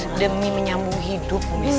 sedemik menyambung hidup bu missy